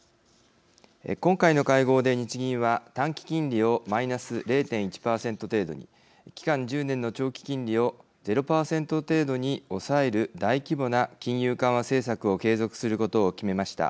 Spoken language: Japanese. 今回の会合で日銀は短期金利をマイナス０．１％程度に期間１０年の長期金利を０％程度に抑える大規模な金融緩和政策を継続することを決めました。